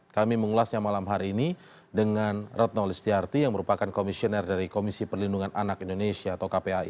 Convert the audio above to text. kami mengulasnya malam hari ini dengan retno listiarti yang merupakan komisioner dari komisi perlindungan anak indonesia atau kpai